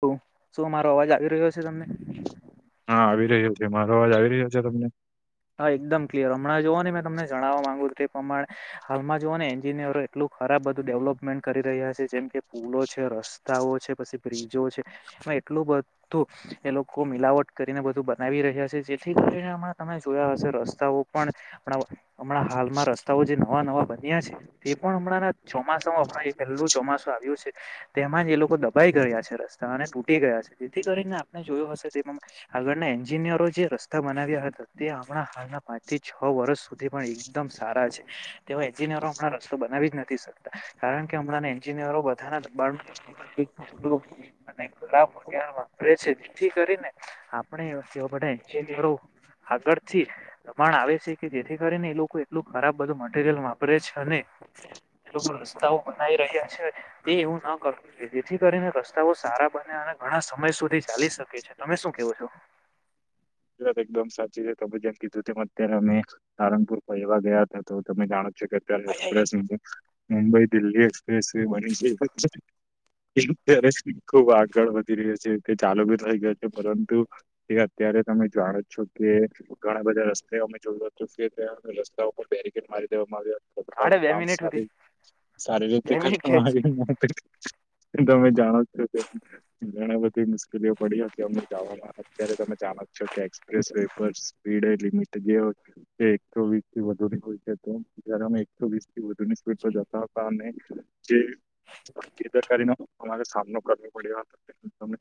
તો શું અમારો અવાજ આવી રહ્યો છે તમને. હા, આવી રહ્યો મારો અવાજ આવી રહ્યો છે તમને. હા એકદમ ક્લિયર હમણા જોઓ ને મે તમને જણાવવા માંગુું તે પ્રમાણે હાલમાં જોઓ ને એન્જિનિયરો એટલું ખરાબ બધુ ડેવલોપમેન્ટ કરી રહ્યા છે જેમ કે પુલો છે રસ્તાઓ છે પસી બ્રિજો છે. એટલું બધું એ લોકો મિલાવટ કરીને બધું બનાવી રહ્યા છે જેથી કરીને હમણા તમે જોયા હશે રસ્તાઓ પણ હમણાં હાલમા રસ્તાઓ જે નવા નવા બન્યા છે તે પણ ચોમાસામાં પહેલું ચોમાસું આવ્યું છે તેમાં જ એ લોકો દબાઈ ગયા છે રસ્તા અને ટુ તૂટી ગયા જેથી કરીને આપણે જોયુ હશે તે આગળના એન્જિનિયરો જે રસ્તા બનાવ્યા હતા. તે હમણાં હાલના પાંચ થી છ વર્ષ સુધી પણ એકદમ સારા છે તે એન્જિનયરો હમણા રસ્તો બના આવી નથીકતા કારણ કે હમણાં એન્જિનિયરો બધાના દબાણ [inaudible] રૂપિયા વાપરે છે જેથી કરીને આપણે એવા એન્જિનિયરો આગળથી દબાણ આવે છે કે જેથી કરીને એ લોકો એટલું ખરાબ બધું મટીરિયલ વાપરે છે અને એ લોકો રસ્તાઓ બનાવી રહ્યા છે તે એવુ ના કરવુ જોઈએ જેથી કરીને રસ્તાઓ સારા રસ્તા બને અને ઘણા સમય સુધી ચાલી શકે છે તમે શું કેવો છો. એકદમ સાચી છે તમે જેમ કીધું તેમ અત્યારે અમે સારંગપુર ફરવા ગયા હતા તો તમે જાણો છેક અત્યારે express Mumbai Delhi expressway બની છે અત્યારે ખુબ આગળ વધી રહ્યો છે. તે ચાલુ બી થઈ ગયા છે પરંતુ એ અત્યારે તમે જાણો છો. કે ઘણા બધા રસ્તાઓ અમે જોયુ હતુ રસ્તા ઉપર બેરીકેેડ મારી દેવામા સાડે આવ્યા [unintelligible] બે કામ મિનિટ હુધી સારી સારી બે મિનિટ ખેંચ રીતે [unintelligible] [inaudible] તમે જાણો છો કે ઘણી બધી મુશ્કેલીઓ પડી હતી અમને જવામા અત્યારે તમે જાણો છો જોકે એક્સપ્રેસ વે પર સ્પીડ લિમિટ જે હોય એકસો વીસ થી વધુ ની હોય છે તો જ્યારેમે એકસો વીસ થી વધુ ની સ્પીડથી જતા હતા અને જે બેદરકારી ના અમારે સામનો કરવો પડ્યો હતો તમે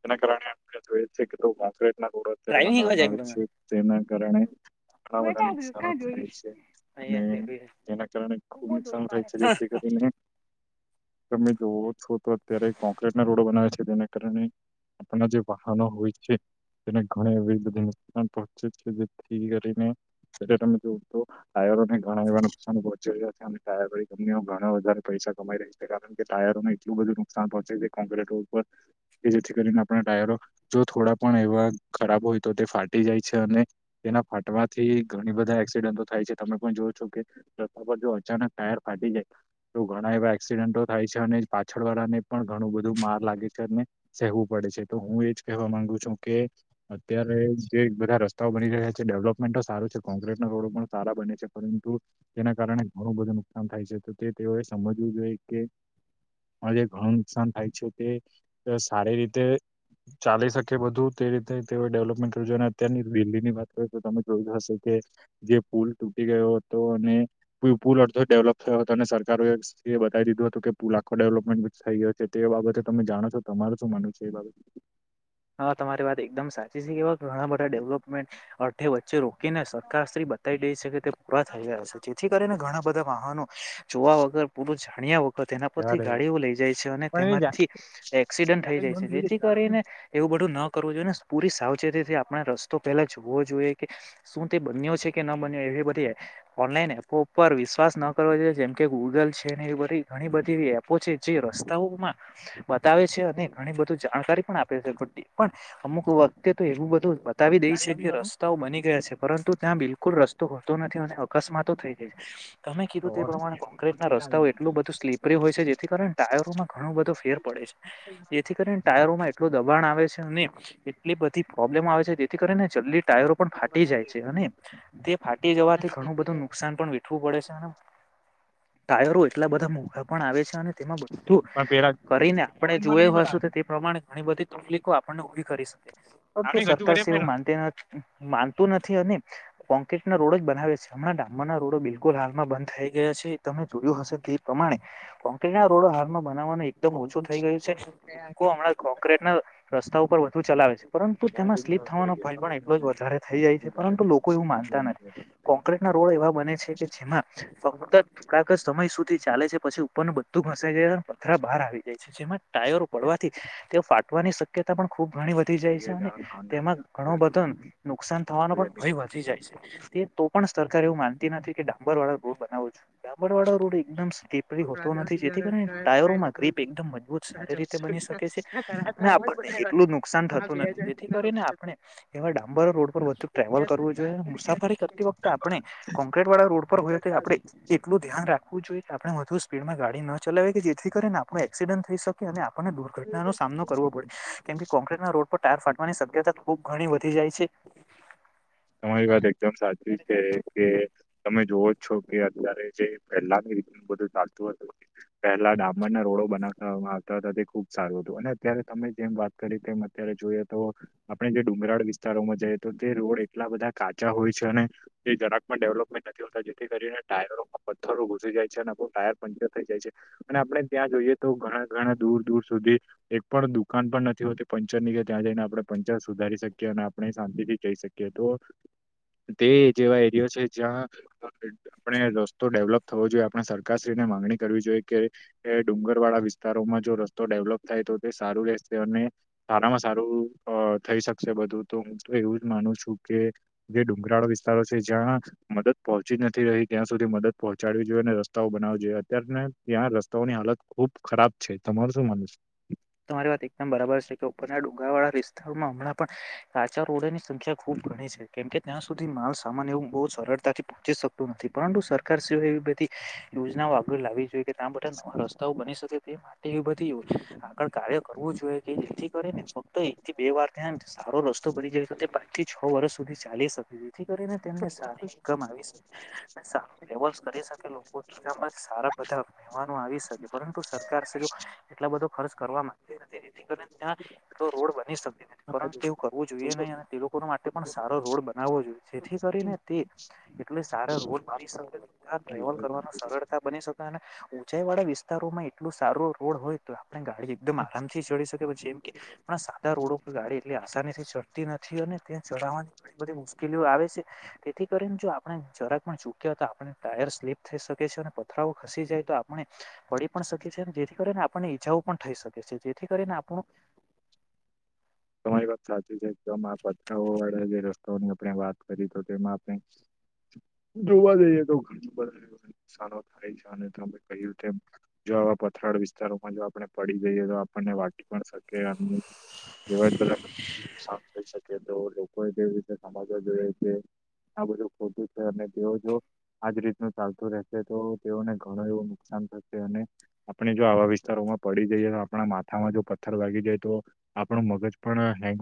તેના કારણે આપણે જોઈએ જ છે. કે કોન્ક્રેટ ના રોડ અત્યારે ડ્રાઈવિંગ શીખવા બનાવામાં આવે છે જાય તેના કારણે ઘણા બધા નુકસાન થાય છે અને તમે તેના કારણે ખુબ નુકસાન થાય છે જેથી [unintelligible] [inaudible] તમે જોવો છો તો અત્યારે કોન્ક્રેટ ના રોડો બનાવે છે તેના કારણે આપણા જે વાહનો હોય છે. તેને ઘણી એવી બધી નુકસાન પહોંચે છે જેથી કરીને એટલે તમે જોવું તો ટાયરો ને ઘણાધ નુકસાન પહોંચે છે. અને ટાયરવાળી કંપનીમાં ઘણા વધારે પૈસા કમાઈ રહી છે કારણ કે ટાયરોને એટલું બધું નુકસાન પહોંચે છે કે કોંક્રેન્ટ રોડ ઉપર જેથી કરીને આપણા ટાયરો જો થોડા પણ એવા ખરાબ હોય તો તે ફાટી જાય છે અને તેના ફાટવાથી ઘણી બધા એક્સિડન્ટો થાય છે તમે પણ જોવ છો કે રસ્તા પર જો અચાનક ટાયર ફાટી જાય તો ઘણા એવા એક્સિડન્ટો થાય છે. અને પાછળવાળા ને પણ ઘણુ બધુ માર લાગે છે અને સહેવું પડે છે તો હું એજ કહેવા માંગુ છું કે અત્યારે જે બધા રસ્તાઓ બની રહ્યા છે. ડેવલપમેન્ટ તો સારું છે કોન્ક્રીટ ના રોડો પણ સારા બને છે પરંતુ તેના કારણે ઘણું બધું નુકસાન થાય છે. તે તેઓએ સમજવું જોઈ કે આજે ઘણું નુકસાન થાય છે તે તે સારી રીતે ચાલી શકે બધું તે રીતે તેઓ ડેવલપમેન્ટ [unintelligible] અને અત્યારની દિલ્હી ની વાત કરુ તો તમે જોયું હશે કે જે પુલ તૂટી ગયો હતો અને પુલ અડધો ડેવલોપ થયો હતો અને સરકારો એ બતાવી દીધું હતું કે પુલ આખો ડેવલપમેન્ટ થઈ ગયો છે, તે બાબતે તમે જાણો છો? તમારુ શું માનવુ છે, એ બાબત? હા તમારી વાત એકદમ સાચી છે, કે એવા ઘણા બધા ડેવલપમેન્ટ અડધે વ વચ્ચે રોકીને સરકારશ્રી બતાવી દે છે, કે તે પૂરા થઈ રહયા છે, જેથી કરીને ઘણા બધા વાહનો જો વા વગર પૂરુ જા તેના પરથી યાર એવા. ગાડીઓ લઈ જાય છે અને પણ એ જા- તેમાંથી એ એક્સિડન્ટ થઈ જાતે જ જાય બંધ છે, જશે જેથી જાણવાની કરીને એવું બધું ન કરવું જોઈએ ને પૂરી સાવચેતીથી આપણે રસ્તો પહેલા જોવો જોઈએ કે શું તે બન્યો છે કે કે ન બન્યો એવી બધી ઓનલાઈન એપો પર વિશ્વાસ ન કરવો જોઈએ જેમ કે ગૂગલ છે, ને એ બધી ઘણી બધી એવી એપો છે, જે રસ્તાઓમાં બતાવે છે, અને ઘણી બધુ જાણકારી પણ આ છે પણ અમુક વખતે તો એવું બધું બતાવી દે જાણી છે આવી કે રસ્તાઓ બની ગયા છે પરંતુ ત્યાં બિલકુલ રસ્તો હોતો નથી અને અકસ્માતો થઈ જાય છે. તમે કીધું તે પ્રમાણે કોંક્રેટના રસ્તાઓ એટલું બધું સ્લીપરી હોય છે, જેથી કારણે ટાયરોમાં ઘણું બધો ફેર પડે છે જેથી કરીને ટાયરોમાં [unintelligible] આવે છે એટલી બધી પ્રોબ્લેમ આવે છે જેથી કરીને જલ્દી ટાયરો પણ ફાટી જાય છે અને તે ફાટી જવાથી ઘણું બધું નુકસાન પણ વેઠવું પડે છે. ટાયરો એટલા બધા મોઘા પણ આવે છે અને તેમાં બધું પણ પેલા કરીને આપણે કોણ માટે જોય નહીં હશું. બતાવે? તે પ્રમાણે ઘણી બધી તકલીફો આપણને ઉભી કરી શકે. પરંતુ આપણે રજૂ કરીએ સરકારશ્રી એવું પહેલા. માનતી નથી માનતું નથી અને કોન્ક્રેટ ના રોડ જ બનાવે છે હમણાં ડામરના રોડો બિલકુલ હાલમાં બંધ થઈ ગયા છે તમે જોયું હશે કે કોન્ક્રેટ ના રોડો હાલમાં બનાવાનું એકદમ ઓછો થઈ ગયો છે. લોકો હમણાં કોન્ક્રેટ ના રસ્તા ઉપર વધુ ચલાવે છે. પરંતુ એના તેમાં જઈને સ્લીપ થોડા થવાનો ભય ઘેરમાં પણ એટલો જ વધારે થઈ જાય છે, પરંતુ લોકો એવું માનતા નથી ક્રોકેટના રોડ એવા બને છે, કે જેમાં ફક્ત થોડાક જ સમય સુ થી ચાલે છે, પછી ઉપરનુ બધું ઘસાઈ જાય પથરા બહાર આવી જાય છે, જેમાં ટાયરો પડવાથી તે ફાટવાની શક્યતા પણ ખૂબ ઘણી વધી જાય છે, અને તેમાં ઘણો બધો નુકસાન થવાનો પણ ભય વધી દોસ્તો જાય છે, તે તો પણ સરકાર એવું માનતી નથી કે ડાંબર વાળો રોડ બનાવો છો ડાંબર વાળો રોડ એકદમ ટીપરી હોતો નથી જેથી કરીને ટાયરોમાં ગ્રીપ એકદમ મજબૂત સારી રીતે બની શકે છે. અને આપણને એટલું નુકસાન થતું નથી જેથી કરીને આપણે એવા ડામંબર રોડ પર વધુ ટ્રાવલ કરવું જોઈએ મુસાફરી કરતી વખતે આપણે ક્રોક્રેટ વાળા રોડ પર હોય તે આપણે એટલું ધ્યાન રાખવું જોઈએ આપણે વધુ સ્પીડમાં ગાડી ન ચલાવી કે જેથી કરીને આપણે એક્સીડન્ટ થઈ શકે અને આપણને આનો સામનો કરવો પડે કેમ કોક્રીટના રોડ પર ટાયર ફાટ વાની શક્યતા ખુબ ઘણી વધી જાય છે. તમારી વાત એકદમ સાચી છે, કે તમે જોવો જ છો કે અત્યારે જે પહેલાની રીત બધું ચાલતું હતું પહેલા ડામરના રોડો બનાવામાં આવતા હતા તે ખુબ સારું હતું અને અત્યારે તમે જેમ વાત કરી તેમ અત્યારે જોઈએ તો આપ જે ડુંગરાળ વિસ્તારોમાં જાય તો તે રોડ એટલા બધા કાચા હોય છે, અને તે જરાક પણ ડેવલપમેન્ટ નથી હોતા જેથી કરીને ટાયરોમાં પથ્થરો ઘુસી જાય છે, અને ટાયર પંચર થઈ જાય છે, અને આપણે ત્યાં જોઈએ તો ઘણા ઘણા દૂર દૂર સુધી એક પણ દુકાન પણ નથી હોતી પંચરની કે ત્યાં જઈને આપણે પંચર સુધારી શકીએ અને આપણે શાંતિથી જઈ શ કીયે તો તે જેવા એરયો છે જ્યાં આપણે રસ્તો ડેવલોપ થવો જોઈએ આપણે સરકાર શ્રી ને માંગણી કરવી જોઈએ કે ડુંગર વાળા વિસ્તારોમાં જો રસ્તો ડેવલપ થાય તો તે સારું રહેશે અને સારામાં સારું થઈ શકશે બધું તો હું એવું જ માનું છું કે જે ડુંગરાળો વિસ્તારો છે જ્યાં મદદ પહોંચી નથી રહી ત્યાં સુધી મદદ પહોંચાડવી જોએ અને રસ્તાઓ બનાવવા જોઈએ અત્યારને ત્યાં રસ્તાઓ ની હાલત ખૂબ ખરાબ છે. તમાર શું માનવુ છે? તમારી વાત એકદમ બરાબર છે કે ઉપરના ડુંગરાડ વાળા વિસ્તારમાં હમણાં પણ કાચા રોડની સંખ્યા ખૂબ ઘણી છે કેમ કે ત્યાં સુધી માલ સામાન એવું બો સરળતાથી પહોંચી શકતું નથી પરંતુ સરકાર સિવાય એવી બધી યોજના આગળ લાવવી જોઈએ કે તા બધા નવા રસ્તાઓ બની શકે તે માટે બધી આગળ કાર્ય કરવું જોઈએ કે જેથી કરે ને ફક્ત એક થી બે વાર થ્યાં ને સારો રસ્તો બની જાય તો તે પાંચથી છ વર્ષ સુધી ચાલી શકે. જેથી કરીને તેમને સારી ઇનકમ આવી શકે સારું લેવલ્સ કરી શકે. [unintelligible] સારા બધા વાહનો આવી શકે પરંતુ સરકાર જો એટલા બધો ખર્ચ કરવા માંગતી નથી એથી કરીને ત્યાં રોડ બની શકે. પરંતું એંવું કરવું જોઈએ નહીં અને તે લોકો માટે પણ સારો રોડ બનાવવો જોઈએ જેથી કરીને તે એટલે સારા રોડ બની શકે ટ્રાવલ કરવામા છે સરળતા બની શકે અને ઉંચાઈ વાળા વિસ્તારોમાં એટલું સારો રોડ હોય તો આપણે ગાડી એકદમ આરામથી ચડી શકે પછી એમ પણ સાદા રોડો ઉપરગાડી એટલી આસાની થી ચડતી નથી અને ત્યાં ચડાવવાની ઘણી બધી મુશ્કેલીઓ આવે જેથી કરીને જો આપણે જરાક પણ ચૂક્યા આપણા ટાયર સ્લીપ થઈ શકે છે અને પથરાઓ ખસી જાય તો આપણે પડી પણ શકીએ છીએ જેથી કરીને આપને ઈજાઓ પણ થઈ શકે છે જેથી કરીને આપણું તમારી વાત સાચી છે કે પથરાઓ વાળા જે રસ્તાઓની આપણે વાત કરી તો તેમાં આપણે જોવા જઈએ તો ઘણું બધું સારો થાય છે અને તમે કહ્યું તેમ વા પથરા વિસ્તારોમાં જો આપણે પડી જઈએ તો આપણને વાગી પણ શકે એમ એવાય બધા સાંભળી શકે તો લોકોએ કેવી રીતે સમાજવા જોઈએ છે. આ બધું ખોટું છે અને તેઓ જો આજ રીતનું ચાલતું રહેશે તો તેઓને ઘણું એવું નુકસાન આપણે જો આવા વિસ્તારોમાં પડી જઈએ તો આપણા માથામાં જો પથ્થર વાગી જાય તો આપણું મગજ પણ હેંગ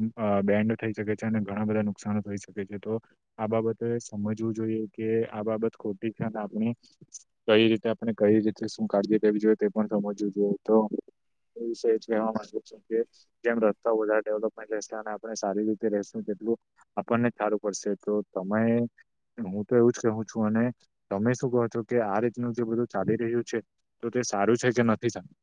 બેન્ડ થઈ શકે છે અને ઘણા બધા નુકસાન થઈ શકે છે તો આ બાબત સમજવું જોઈએ કે આ બાબત ખોટી છે ને આપણે કઈ રીતે આપણે કઈ રીતે શું કાળજી લેવી જોઈએ તે પણ સમજવું જોઈએ તો એ વિષય છે કેવા માંગુ જેમ રસ્તા વધારે ડેવલપમેન્ટ અને આપણે સારી રીતે રેશું તેટલું આપણને સારું પડશે એટલે મે હું તો એવું જ કહું છું અને તમે શું કહો છો કે આ રીતનું જે બધું ચાલી રહ્યું છે તો તે સારું છે કે નથી સારું.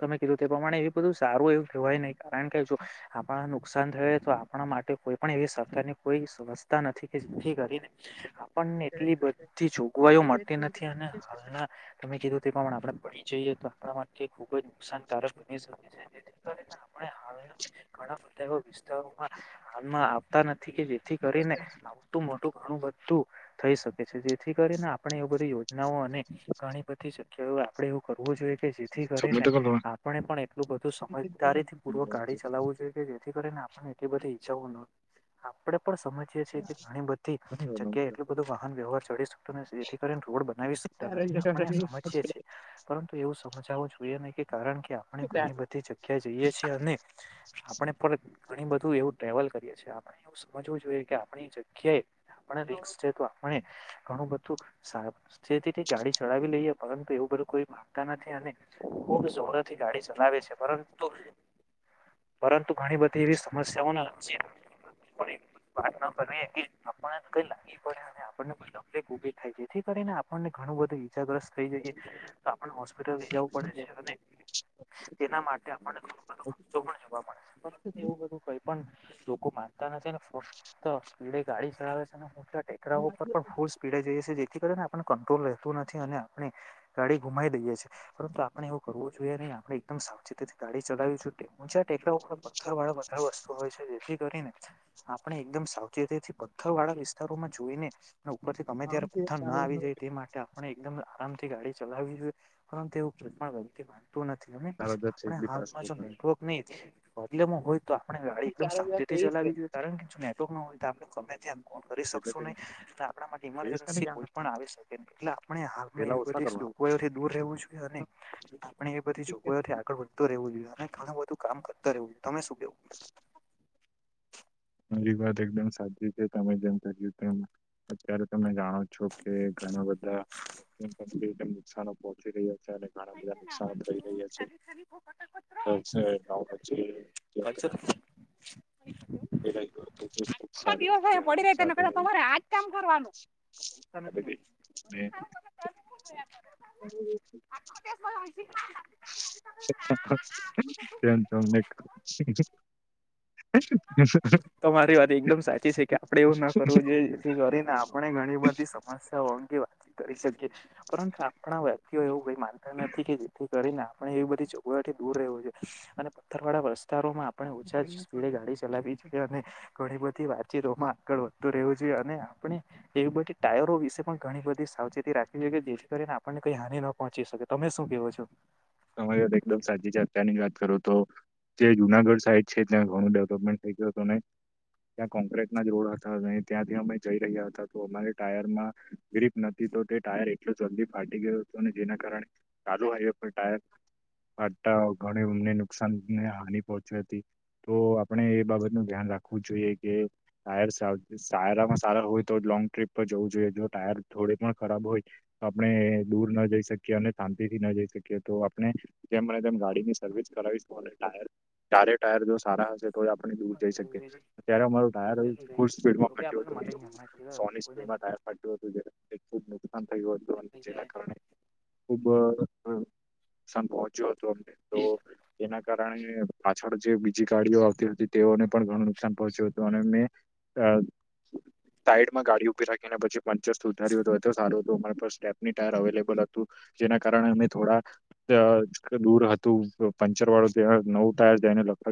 તમે કીધું તે પ્રમાણે એ બધું સારું એવું કહેવાય નહી કારણ કે જો આપણા નુકસાન થાય તો આપણા માટે કોઈ પણ એવી સરકારની કોઈ વેવસ્થા નથી કે જેથી કરીને પણને એટલી બધી જોગવાઈઓ મળતી નથી અને હાલના તમે કીધું તે પ્રમાણે આપડે પડી જઈએ. [unintelligible] આપણા માટે ખુબ જ નુકસાનકારક બની શકે છે જેથી કરીને [unintelligible] ઘણા બધા એ વિસ્તારોમાં હાલમાં આવતા નથી. કે જેથી કરીને આવતું મોટું ઘણું બધું તો થઈ શકે છે જેથી કરીને આપણે એ બધી યોજનાઓ અને ઘણી બધી કેવું આપડે એવું કરવું જોઈએ કે જેથી કરીને સબમિટ કરો ને. આપણે પણ એટલું બધું સમજદારીથી પૂર્વક ગાડી ચલાવવું જોઈએ કે જેથી કરીને એટલી બધી ઇચ્છાઓ ન થાય આપડે પણ સમજીયે છે કે ઘણી બધી જગ્યાએ એટલું બધું વાહન વ્યવહાર ચડીશું જેથી કરીને રોડ બનાવી શકતા નથી આપણે સમજી એ છે પરંતુ એવું સમજાવવું જોઈએ નઈ કે કારણ કે આપણે ઘણી બધી જગ્યા જઈએ છીએ અને આપણે પણ ઘણી બધું એવું ટ્રેવલ કરીએ છીએ આપણે એવું સમજવું જોઈએ કે આપણી જગ્યાએ આપણે રિકસ છે તો આપણે ઘણું બધું સાવચેતીથી ગાડી ચડાવી લઈએ પરંતુ એવું બધું કોઈ માગતા નથી. અને ખૂબ જોરથી ગાડી ચલાવે છે પરંતુ પરંતુ ઘણી બધી એવી સમસ્યાઓના છે. વાત ન કરવી કે આપણને કઈ લાગી પડે અને આપણને કોઈ તકલીફ ઉભી થાય જેથી કરીને આપણને ઘણુ બધું ઈજાગ્રસ્ત થઈ જઈએ તો આપ હોસ્પિટલ લઈ જવું પડે છે. તેના માટે આપને ઘણો બધો ખર્ચો પણ જોવા મળે છે પરુ એવું બધું કઈ પણ લોકો માનતા નથી ને ફક્ત સ્પીડે ગાડી ચલાવે છે ને ટેકરા ઉપર પણ ફૂલ સ્પીડે જઈએ છે જે જેથી કરીને આપણે કંટ્રોલ રહેતું નથી અને આપણે ગાડી ગુમાઈ દઈએ છીએ. પરંતુ આપણેે એવું કરવું જોઈએ નહી આપણે એકદમ સાવચેતીથી ગાડી ચલાવી છું છે. ટેકરા ઉપર પથર વાળા બધા વસ્તુ હોય છે જેથી આપણે એકદમ સાવચેતીથી પથ્થર વાળા વિસ્તારોમાં જોઈને ઉપરથી ગમે ત્યારે પથ્થર ના આવી જાય તે માટે આપણે એકદમ આરામથી ગાડી ચલાવી જોઈએ. પરંતુ એવું [unintelligible] માનતું નથી અને તારા દર છે એક આપણે બી ટાસ્ક હાલમાં જો કરે નેટવર્ક નઈ બદલેમાં હોય તો આપણે ગાડી એકદમ સાાેથી ચલાવી દીધ કારણ કે જો નેટવર્ક ના હોય તો, આપણે ગમે કરી એટલે શકશું તે નહી, આપણા માટે ત્રેવીસ ઇમરજન્સી તારીખ કોઈ આના પણ ટાસ્ક આવી શકે એટલે આપણે હાલમાં પેલા એવી ઓછા કરવા બધી કોએથી દૂર રહેવું અને આપણે એ બધી જોગવાઈથી આગળ વધતું રેવું જોઈએ અને ઘણું બધું કામ કરતા રેવું. તમે શું કેવું મારી વાત એકદમ સાચી છે, તમે જેમ કર્યું અત્યારે તમે જાણો છો કે ઘણા બધા નુકશનો પોહોંચી રહ્યા છે. સેને મારા બધા નુકસાન જ થઈ રહ્યા છે. [unintelligible] સર એ [inaudible] ખુબ સારી રીતે હવે ચાલે. શાનાથી મલ્યું? હમ્મ. હમ્મ. આંખો દિવસ [inaudible] તેમ તમને [unintelligible] તમારી વાત એકદમ સાચી છે કે આપડે એવું ન કરવું જોઈએ જેથી કરીને આપણે ઘણી બધી સમસ્યાઓ [inaudible] વાતી કરી શકી, પરંતુ આપણા વાઓ એવું કઈ માનતા નથી કે જેથી કરીને એવી બધી ચગવાથી દૂર રહે છે અને પથ્થર વાળા વિસ્તારોમાં પણ ઓછા સ્પીડે ગાડી ચલાવી જોઈએ અને ઘણી બધી વાતચીતોમાં આગળ વધતું રહેવું જોઈએ, અને આપણે એ બધી ટાયરો વિશે પણ ઘણી બધી સાવચેતી રાખવી જોઈએ કે જેથી કરીને આપણને કઈ હાનિ ન પહોંચી શકે. તમે શું કેહો છો? તમારી વાત એકદમ સાચી છે. અત્યારની જ વાત કરું તો જે જુનાગઢ સાઈડ છે ત્યાં ઘણું ડેવલપમેન્ટ થઈ ગયું હતું, નઈ? ત્યાં કોંક્રટના જ રોડ હતા ને ત્યાંથી અમે જઈ રહ્યા હતા તો અમારે ટાયરમાં ગ્રીપ નતી. તે ટાયર એટલો જલ્દી ફાટી ગયો હતો, અને જેના કારણે ચાલુ હાઈવે પર ટાયર આટ્ટાઓ ઘણી ઊન્ને નુકસાન ને હાની પહોંચી હતી. તો આપણે એ બાબત નું ધ્યાન રાખવું જોઈએ, કેાયર સારામાં સારા હોય તો એ લોંગ ટ્રીપ પર જવું જોઈએ. જો ટાયર થોડી પણ ખરાબ હોય તો આપણે દૂર ન જઈ શકીએ અને તાનથી ના જઈ શકી તો આપણે જે મને તેમ ગાડીની સર્વિસ કરાવીશું ટાયર ચારે ટાયર જો સારા હશે તોય આપણને દૂર જઈ શકીએ. ત્યારે અમારું ટાયર એવું ફૂલ સ્પીડમાં ફાટ્યું તું ને. એવું સોની કોઈને સ્પીડમાં ટાયર ફાટ્યું હતું. જયારે ખુબ નુકસાન થયું હતું અને જેના કારણે ખુબ નુકસાન પહોંચ્યું હતું અમને તો તેના કારણે જે બીજી ગાડીઓ આવતી હતી તેઓને પણ ઘણું નુકસાન પહોંચ્યું હતું અને મેં સાઈડમાં ગાડી ઉભી રાખીને પછી વંચસ્થ ઉધાર્યું હત એ તો સારું હતું અમારા પા સ્ટેપની ટાયર અવેલેબલ હતું જેના કારણે અમે થોડા અ દૂર હતું. પંચરવાળો જે હોય, નવું ટાયર જેને નખા